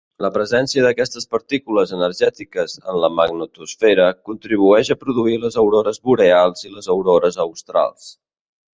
La presència d'aquestes partícules energètiques en la magnetosfera contribueix a produir les aurores boreals i les aurores australs